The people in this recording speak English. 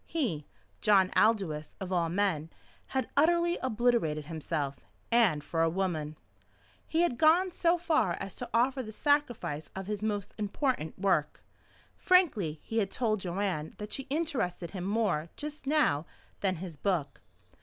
He, John Aldous of all men, had utterly obliterated himself, and for a woman. He had even gone so far as to offer the sacrifice of his most important work. Frankly he had told Joanne that she interested him more just now than his book.